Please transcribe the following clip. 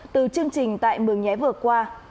từ chương trình tại mường nhé vừa qua